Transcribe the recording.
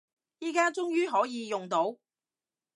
而家終於可以用到